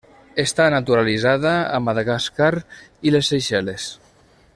Està naturalitzada a Madagascar i les Seychelles.